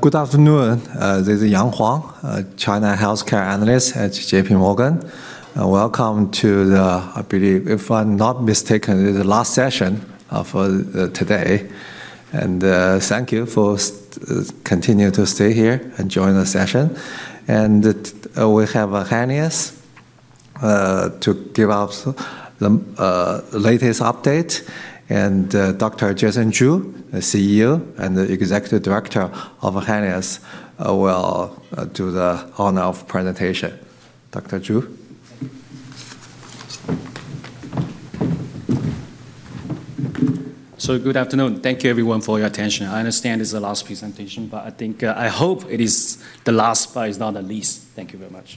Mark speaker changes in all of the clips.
Speaker 1: Good afternoon. This is Yang Huang, China Healthcare Analyst at JPMorgan. Welcome to the, I believe, if I'm not mistaken, the last session for today. And thank you for continuing to stay here and join the session. And we have Henlius to give us the latest update. And Dr. Jason Zhu, the CEO and the Executive Director of Henlius, will do the honor of presentation. Dr. Zhu.
Speaker 2: Good afternoon. Thank you, everyone, for your attention. I understand this is the last presentation, but I think, I hope it is the last, but it's not the least. Thank you very much.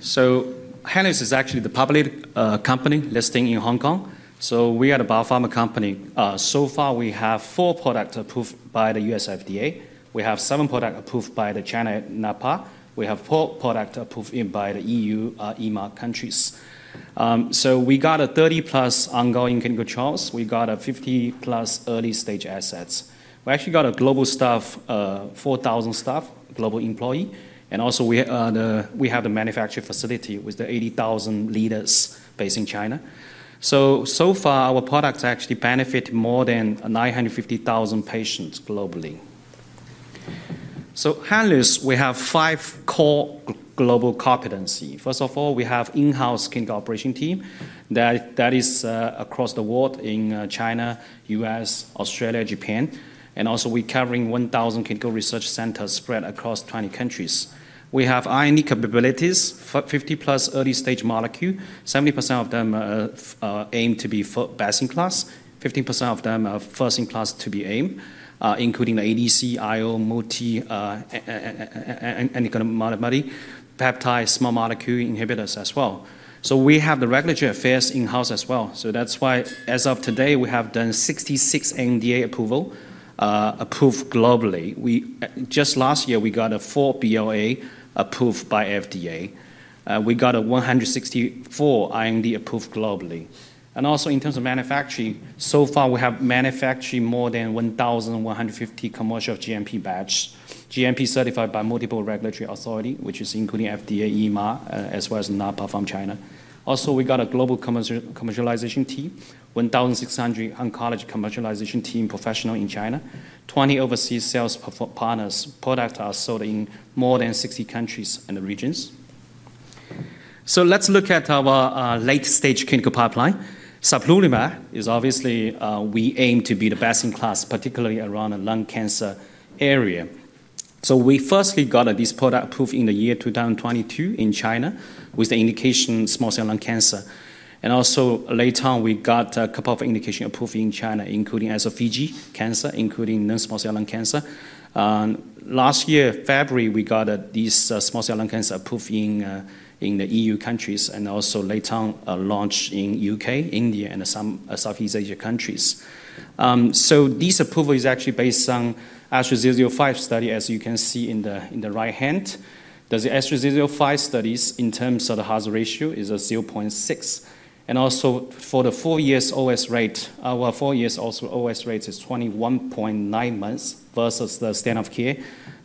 Speaker 2: So Henlius is actually the public company listing in Hong Kong. So we are the biopharma company. So far, we have four products approved by the US FDA. We have seven products approved by the China NMPA. We have four products approved by the EU EMA countries. So we got 30-plus ongoing clinical trials. We got 50-plus early-stage assets. We actually got a global staff, 4,000 staff, global employee. And also, we have the manufacturing facility with the 80,000 liters based in China. So far, our products actually benefit more than 950,000 patients globally. So Henlius, we have five core global competencies. First of all, we have an in-house clinical operation team that is across the world in China, US, Australia, Japan, and also we're covering 1,000 clinical research centers spread across 20 countries. We have R&D capabilities, 50-plus early-stage molecules, 70% of them aimed to be first best in class, 15% of them first in class to be aimed, including the ADC, IO, multi-specific modality, peptide, small molecule inhibitors as well, so we have the regulatory affairs in-house as well, so that's why, as of today, we have done 66 NDA approvals approved globally. Just last year, we got four BLA approved by FDA. We got 164 IND approved globally, and also, in terms of manufacturing, so far, we have manufactured more than 1,150 commercial GMP batches, GMP certified by multiple regulatory authorities, which is including FDA, EMA, as well as NMPA from China. Also, we got a global commercialization team, 1,600 oncology commercialization team professionals in China, 20 overseas sales partners. Products are sold in more than 60 countries and regions. Let's look at our late-stage clinical pipeline. Serplulimab is obviously, we aim to be the best in class, particularly around the lung cancer area. We firstly got this product approved in the year 2022 in China with the indication small cell lung cancer. Also, later on, we got a couple of indications approved in China, including esophageal cancer, including non-small cell lung cancer. Last year, February, we got this small cell lung cancer approved in the EU countries and also later on launched in the UK, India, and some Southeast Asia countries. This approval is actually based on ASTRUM-005 study, as you can see in the right hand. The ASTRUM-005 studies, in terms of the hazard ratio, is 0.6. And also, for the four-year OS rate, our four-year OS rate is 21.9 months versus the standard of care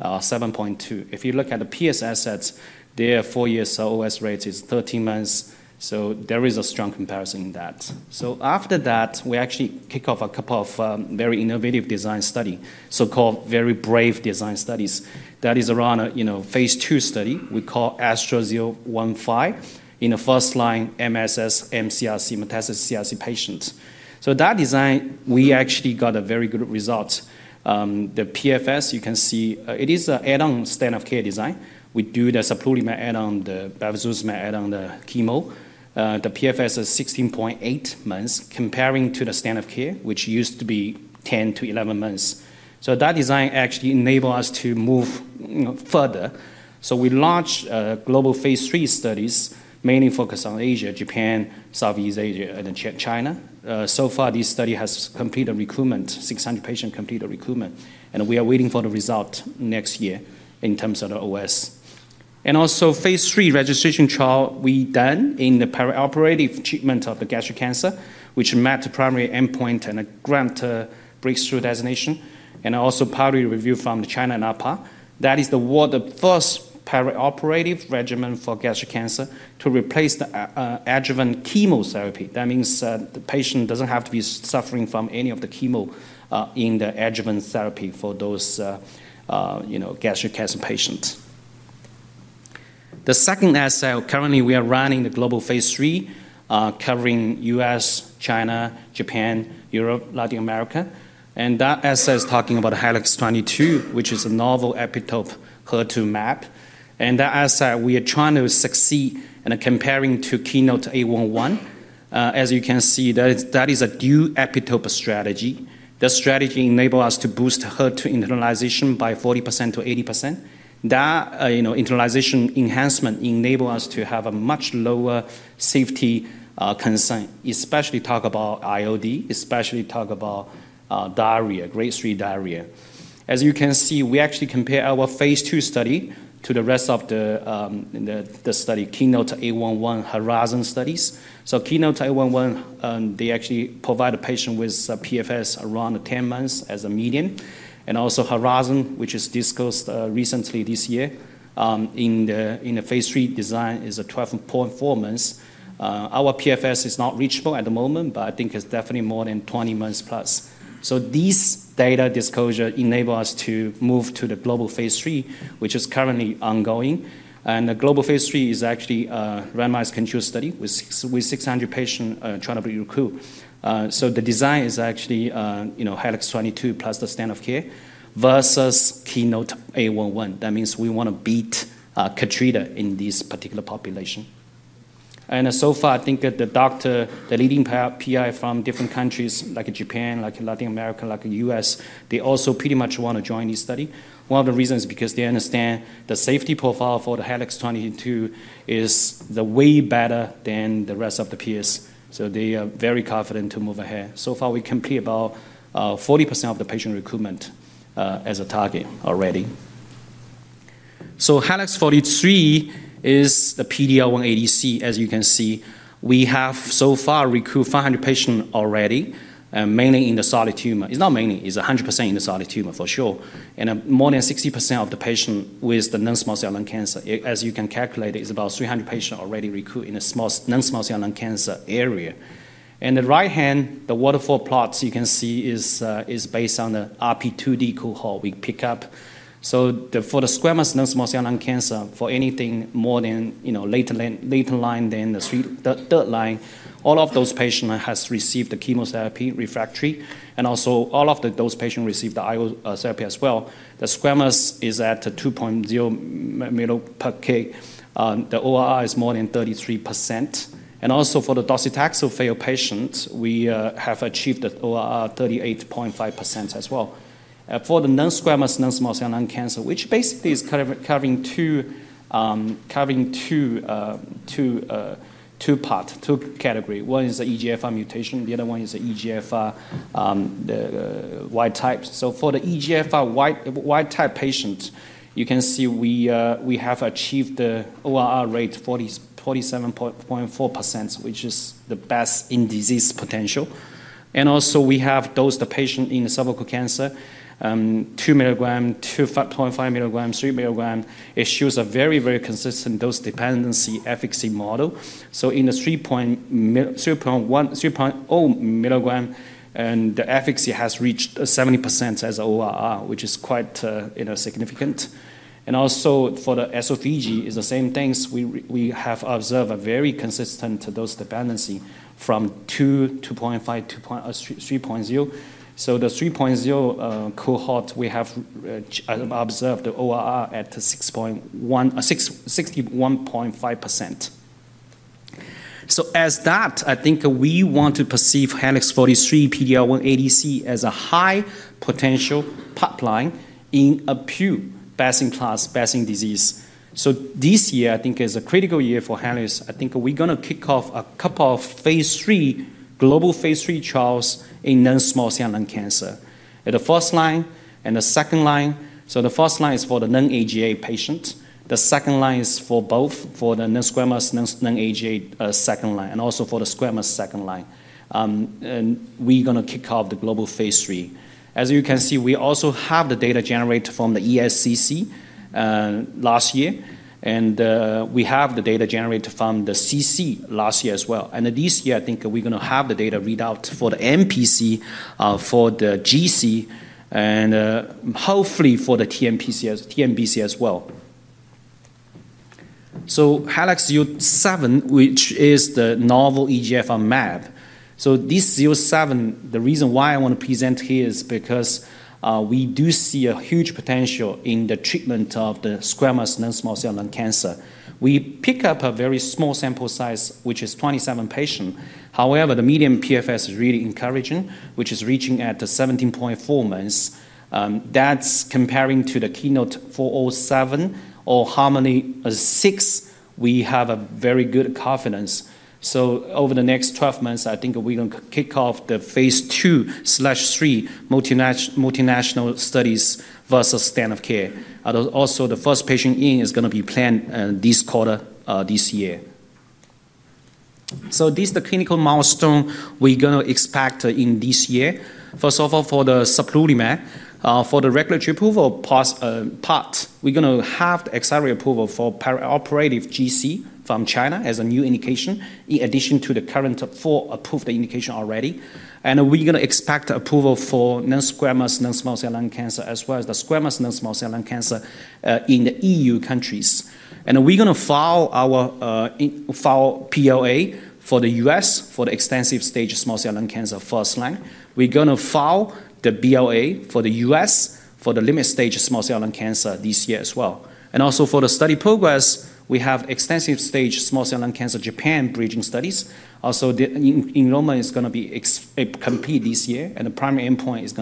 Speaker 2: 7.2. If you look at the peers assets, their four-year OS rate is 13 months. So there is a strong comparison in that. So after that, we actually kick off a couple of very innovative design studies, so-called very brave design studies. That is around a phase II study we call ASTRUM-015 in the first line MSS, mCRC, metastatic CRC patients. So that design, we actually got a very good result. The PFS, you can see, it is an add-on standard of care design. We do the serplulimab add-on, the bevacizumab add-on chemo. The PFS is 16.8 months comparing to the standard of care, which used to be 10 to 11 months. That design actually enabled us to move further. We launched global phase III studies, mainly focused on Asia, Japan, Southeast Asia, and China. So far, this study has completed recruitment, 600 patients completed recruitment. We are waiting for the result next year in terms of the OS. Also, phase III registration trial we done in the perioperative treatment of the gastric cancer, which met the primary endpoint and grant breakthrough designation. Also, partly reviewed from China NMPA. That is the first perioperative regimen for gastric cancer to replace the adjuvant chemotherapy. That means the patient doesn't have to be suffering from any of the chemo in the adjuvant therapy for those gastric cancer patients. The second asset, currently, we are running the global phase III, covering US, China, Japan, Europe, Latin America. That asset is talking about HLX22, which is a novel epitope HER2 mAb. That asset, we are trying to succeed in comparing to Keynote-811. As you can see, that is a dual epitope strategy. The strategy enables us to boost HER2 internalization by 40% to 80. That internalization enhancement enables us to have a much lower safety concern, especially talk about IO, especially talk about diarrhea, grade 3 diarrhea. As you can see, we actually compare our phase II study to the rest of the study, Keynote-811, HERIZON studies. Keynote-811, they actually provide a patient with PFS around 10 months as a median. HERIZON, which is disclosed recently this year in the phase III design, is 12.4 months. Our PFS is not reachable at the moment, but I think it is definitely more than 20 months plus. So these data disclosures enable us to move to the global phase III, which is currently ongoing. And the global phase III is actually a randomized control study with 600 patients trying to be recruited. So the design is actually HLX22 plus the standard of care versus Keynote-811. That means we want to beat KEYTRUDA in this particular population. And so far, I think the doctor, the leading PI from different countries, like Japan, like Latin America, like the US, they also pretty much want to join this study. One of the reasons is because they understand the safety profile for the HLX22 is way better than the rest of the peers. So they are very confident to move ahead. So far, we completed about 40% of the patient recruitment as a target already. So HLX43 is the PD-L1 ADC. As you can see, we have so far recruited 500 patients already, mainly in the solid tumor. It's not mainly. It's 100% in the solid tumor for sure. And more than 60% of the patients with the non-small cell lung cancer, as you can calculate, is about 300 patients already recruited in the non-small cell lung cancer area. And the right hand, the waterfall plots, you can see, is based on the RP2D cohort we pick up. So for the squamous non-small cell lung cancer, for anything more than later line than the third line, all of those patients have received the chemotherapy refractory. And also, all of those patients received the IO therapy as well. The squamous is at 2.0 milligrams per kg. The ORR is more than 33%. And also, for the docetaxel, so failed patients, we have achieved the ORR 38.5% as well. For the non-squamous non-small cell lung cancer, which basically is covering two parts, two categories. One is the EGFR mutation. The other one is the EGFR wild type. So for the EGFR wild type patient, you can see we have achieved the ORR rate 47.4%, which is the best in disease potential. And also, we have dosed the patient in cervical cancer, 2 milligrams, 2.5 milligrams, 3 milligrams. It shows a very, very consistent dose dependency efficacy model. So in the 3.0 milligram, the efficacy has reached 70% as an ORR, which is quite significant. And also, for the esophageal, it's the same things. We have observed a very consistent dose dependency from 2.5 to 3.0. So the 3.0 cohort, we have observed the ORR at 61.5%. So as that, I think we want to perceive HLX43, PD-L1 ADC as a high potential pipeline in a pure best in class, best in disease. So this year, I think, is a critical year for Henlius. I think we're going to kick off a couple of global phase III trials in non-small cell lung cancer. The first line and the second line. So the first line is for the non-AGA patient. The second line is for both, for the non-squamous, non-AGA second line, and also for the squamous second line. And we're going to kick off the global phase III. As you can see, we also have the data generated from the ESCC last year. And we have the data generated from the CC last year as well. And this year, I think we're going to have the data readout for the NPC, for the GC, and hopefully for the TNBC as well. So HLX07, which is the novel EGFR mAb. So this 07, the reason why I want to present here is because we do see a huge potential in the treatment of the squamous non-small cell lung cancer. We pick up a very small sample size, which is 27 patients. However, the median PFS is really encouraging, which is reaching at 17.4 months. That's comparing to the Keynote-407 or HARMONi-6. We have a very good confidence. So over the next 12 months, I think we're going to kick off the phase II/3 multinational studies versus standard of care. Also, the first patient in is going to be planned this quarter this year. This is the clinical milestone we're going to expect in this year. First of all, for the serplulimab, for the regulatory approval part, we're going to have the accelerated approval for perioperative GC from China as a new indication in addition to the current four approved indications already. We're going to expect approval for non-squamous non-small cell lung cancer as well as the squamous non-small cell lung cancer in the EU countries. We're going to file our BLA for the US for the extensive-stage small cell lung cancer first-line. We're going to file the BLA for the U.S. for the limited-stage small cell lung cancer this year as well. For the study progress, we have extensive-stage small cell lung cancer Japan bridging studies. Enrollment is going to be complete this year. The primary endpoint is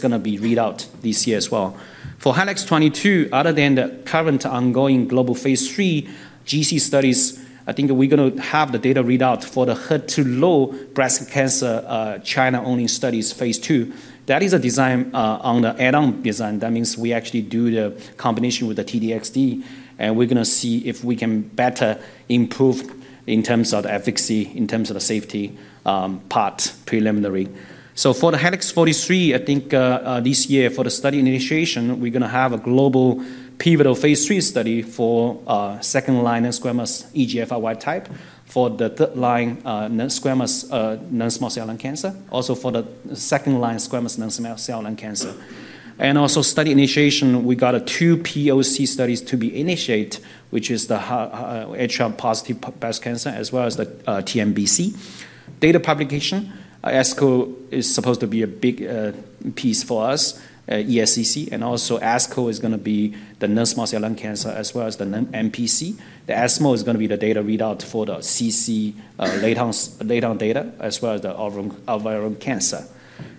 Speaker 2: going to be readout this year as well. For HLX22, other than the current ongoing global phase III GC studies, I think we're going to have the data readout for the HER2 low breast cancer China-only studies phase II. That is a design on the add-on design. That means we actually do the combination with the T-DXd. And we're going to see if we can better improve in terms of the efficacy, in terms of the safety part preliminary. For the HLX43, I think this year for the study initiation, we're going to have a global pivotal phase III study for second-line non-squamous EGFR wild-type for the third-line non-squamous non-small cell lung cancer, also for the second-line squamous non-small cell lung cancer. And also, study initiation. We got two POC studies to be initiated, which is the HR-positive breast cancer as well as the TNBC. Data publication, ASCO is supposed to be a big piece for us, ESCC. And also, ASCO is going to be the non-small cell lung cancer as well as the NPC. The ASCO is going to be the data readout for the CC later on data as well as the ovarian cancer.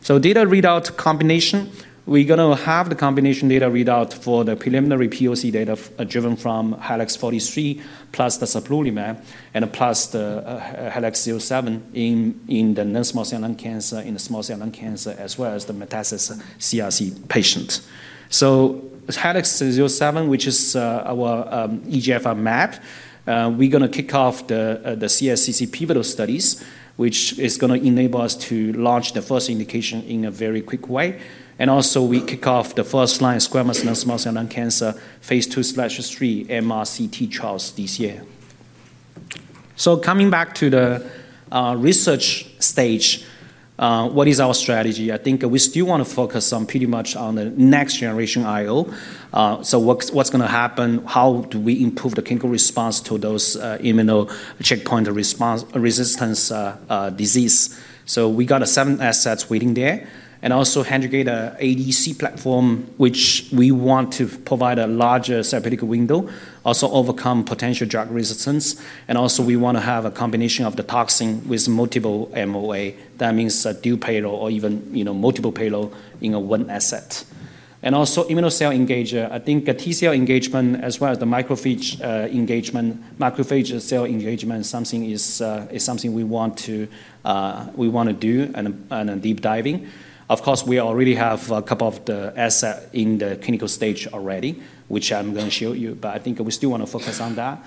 Speaker 2: So data readout combination, we're going to have the combination data readout for the preliminary POC data driven from HLX43 plus the serplulimab and plus the HLX07 in the non-small cell lung cancer, in the small cell lung cancer as well as the mCRC patient. HLX07, which is our EGFR mAb, we're going to kick off the CSCC pivotal studies, which is going to enable us to launch the first indication in a very quick way. And also, we kick off the first line squamous non-small cell lung cancer phase II/3 MRCT trials this year. So coming back to the research stage, what is our strategy? I think we still want to focus pretty much on the next generation IO. So what's going to happen? How do we improve the clinical response to those immune checkpoint resistant disease? So we got seven assets waiting there. And also, Henlius ADC platform, which we want to provide a larger therapeutic window, also overcome potential drug resistance. And also, we want to have a combination of the toxin with multiple MOA. That means a dual payload or even multiple payload in one asset. Also, immune cell engagement, I think T cell engagement as well as the macrophage engagement, macrophage cell engagement, something we want to do and deep diving. Of course, we already have a couple of the assets in the clinical stage already, which I'm going to show you. I think we still want to focus on that.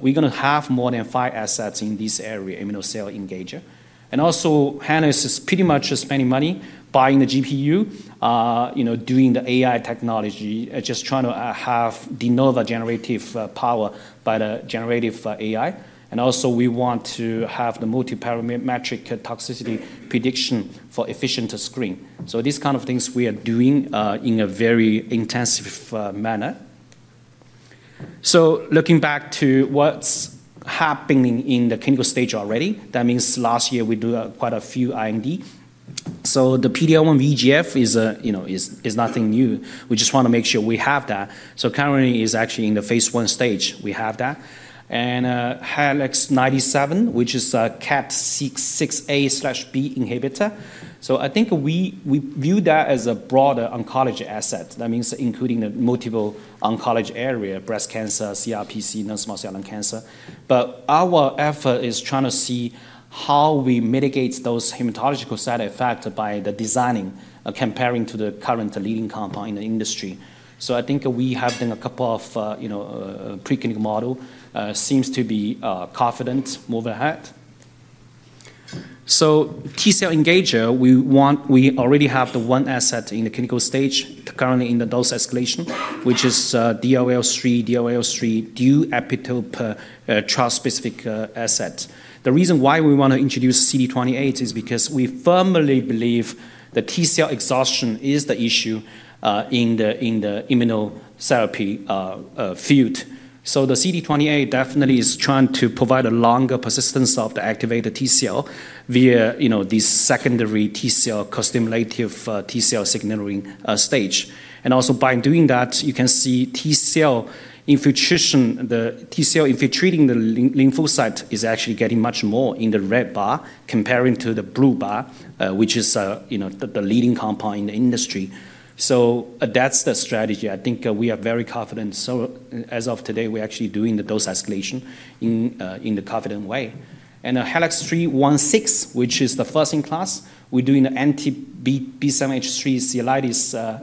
Speaker 2: We're going to have more than five assets in this area, immune cell engagement. Henlius is pretty much spending money buying the GPU, doing the AI technology, just trying to have de novo generative power by the generative AI. We want to have the multiparametric toxicity prediction for efficient screen. These kind of things we are doing in a very intensive manner. Looking back to what's happening in the clinical stage already, that means last year we did quite a few IND. The PD-L1 ADC is nothing new. We just want to make sure we have that. Currently, it is actually in the phase one stage. We have that. HLX97, which is a KAT6A/B inhibitor. I think we view that as a broader oncology asset. That means including the multiple oncology area, breast cancer, CRPC, non-small cell lung cancer. But our effort is trying to see how we mitigate those hematological side effects by designing comparing to the current leading compound in the industry. I think we have done a couple of pre-clinical models, seems to be confident, move ahead. T-cell engagement, we already have the one asset in the clinical stage currently in the dose escalation, which is DLL3, dual epitope trial specific asset. The reason why we want to introduce CD28 is because we firmly believe the T cell exhaustion is the issue in the immunotherapy field. So the CD28 definitely is trying to provide a longer persistence of the activated T cell via this secondary T cell co-stimulatory T cell signaling stage. And also, by doing that, you can see T cell infiltration, the tumor-infiltrating lymphocytes are actually getting much more in the red bar comparing to the blue bar, which is the leading compound in the industry. So that's the strategy. I think we are very confident. So as of today, we're actually doing the dose escalation in the confident way. And HLX316, which is the first in class, we're doing the anti-B7-H3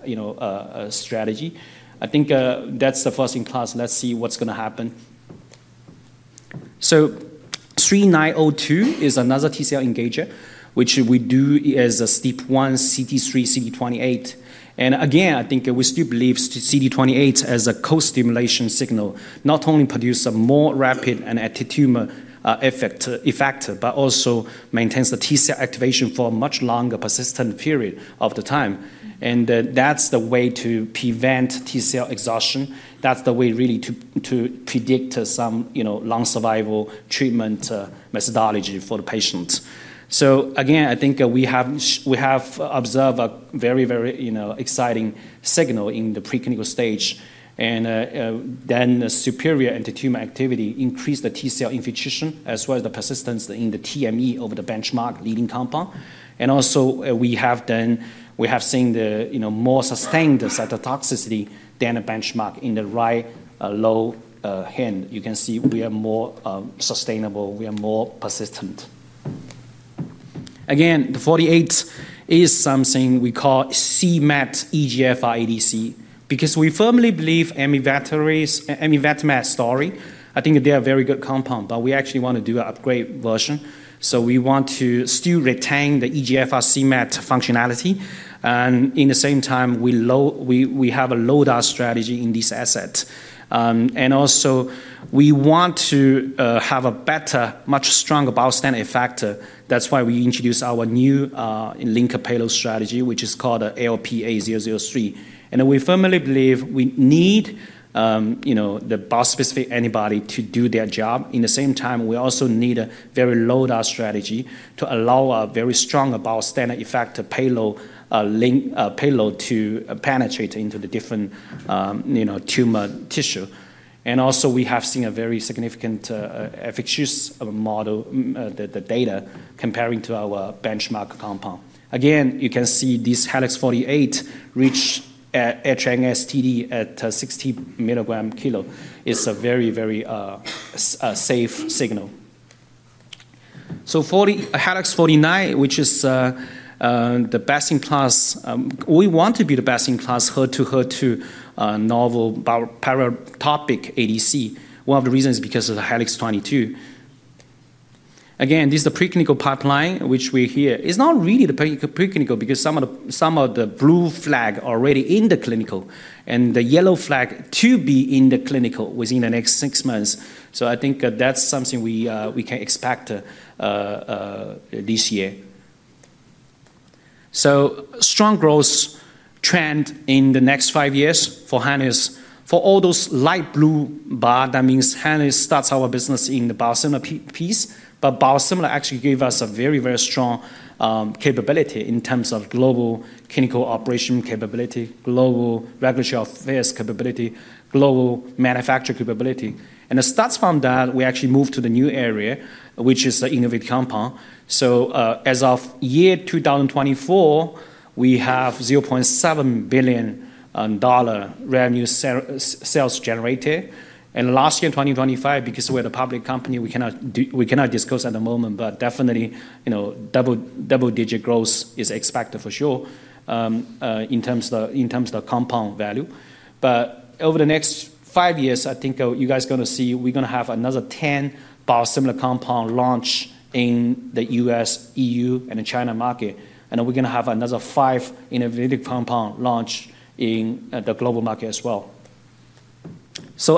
Speaker 2: antibody strategy. I think that's the first in class. Let's see what's going to happen. So, 3902 is another T-cell engager, which we do as a STEAP1 x CD3 x CD28. And again, I think we still believe CD28 as a co-stimulation signal not only produces a more rapid and active tumor effect, but also maintains the T-cell activation for a much longer persistent period of time. And that's the way to prevent T-cell exhaustion. That's the way really to provide some long survival treatment methodology for the patient. So again, I think we have observed a very, very exciting signal in the pre-clinical stage. And then the superior anti-tumor activity increased the T-cell infiltration as well as the persistence in the TME over the benchmark leading compound. And also, we have seen the more sustained cytotoxicity than a benchmark in the right lower panel. You can see we are more sustainable. We are more persistent. Again, the 48 is something we call c-MET EGFR ADC because we firmly believe Amivantamab story. I think they are a very good compound, but we actually want to do an upgrade version, so we want to still retain the EGFR c-MET functionality, and at the same time, we have a low-dose strategy in this asset, and also, we want to have a better, much stronger bystander effect. That's why we introduced our new linker payload strategy, which is called ALPA003, and we firmly believe we need the bispecific antibody to do their job. At the same time, we also need a very low-dose strategy to allow a very strong bystander effect payload to penetrate into the different tumor tissue, and also, we have seen a very significant efficacy of the data comparing to our benchmark compound. Again, you can see this HLX48 reached HNSTD at 60 mg/kg. It's a very, very safe signal, so HLX49, which is the best in class, we want to be the best in class HER2, HER2 novel paratopic ADC. One of the reasons is because of the HLX22. Again, this is the pre-clinical pipeline, which we're here. It's not really the pre-clinical because some of the blue flag already in the clinical and the yellow flag to be in the clinical within the next six months, so I think that's something we can expect this year, so strong growth trend in the next five years for Henlius. For all those light blue bar, that means Henlius starts our business in the biosimilar piece. But biosimilar actually gave us a very, very strong capability in terms of global clinical operation capability, global regulatory affairs capability, global manufacturer capability. It starts from that, we actually move to the new area, which is the innovative compound. As of year 2024, we have $0.7 billion revenue sales generated. Last year, 2025, because we're the public company, we cannot discuss at the moment, but definitely double-digit growth is expected for sure in terms of the compound value. Over the next five years, I think you guys are going to see we're going to have another 10 biosimilar compound launch in the US, EU, and China market. We're going to have another five innovative compound launch in the global market as well.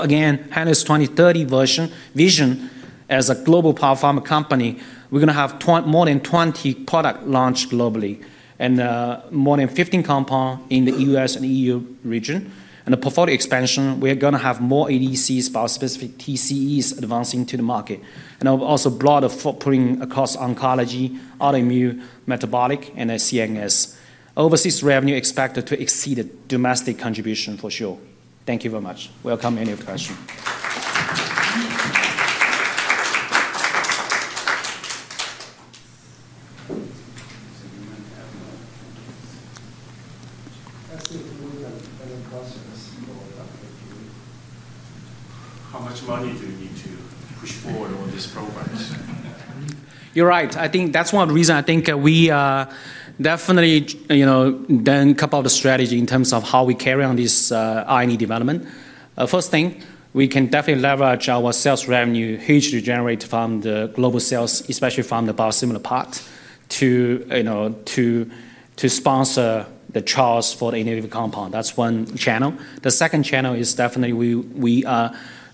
Speaker 2: Again, Henlius 2030 vision as a global biopharma company, we're going to have more than 20 products launched globally and more than 15 compounds in the US and EU region. And the portfolio expansion, we're going to have more ADCs, bispecific TCEs advancing to the market. And also broader footprint across oncology, autoimmune, metabolic, and CNS. Overseas revenue expected to exceed domestic contribution for sure. Thank you very much. We welcome any questions.
Speaker 3: How much money do you need to push forward on these programs?
Speaker 2: You're right. I think that's one reason I think we definitely done a couple of the strategy in terms of how we carry on this IND development. First thing, we can definitely leverage our sales revenue huge to generate from the global sales, especially from the biosimilar part, to sponsor the trials for the innovative compound. That's one channel. The second channel is definitely we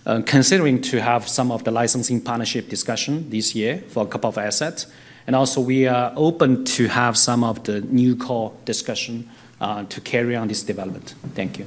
Speaker 2: are considering to have some of the licensing partnership discussion this year for a couple of assets. And also, we are open to have some of the NewCo discussion to carry on this development. Thank you.